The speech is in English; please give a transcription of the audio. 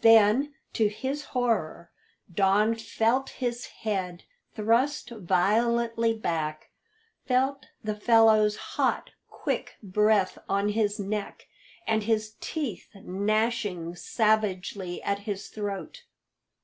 Then, to his horror, Don felt his head thrust violently back, felt the fellow's hot, quick breath on his neck, and his teeth gnashing savagely at his throat.